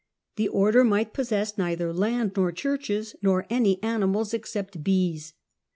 The Order might possess neither land nor churches, nor any animals, "except bees."